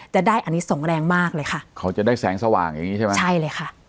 จะได้อันนี้ส่งแรงมากเลยค่ะเขาจะได้แสงสว่างอย่างงี้ใช่ไหมใช่เลยค่ะ